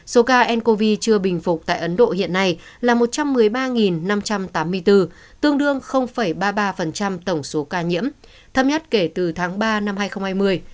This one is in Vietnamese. số ca ncov chưa bình phục tại ấn độ hiện nay là một trăm một mươi ba năm trăm tám mươi bốn tương đương ba mươi ba tổng số ca nhiễm thấp nhất kể từ tháng ba năm hai nghìn hai mươi